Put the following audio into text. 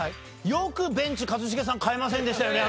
よくベンチ一茂さん代えませんでしたよね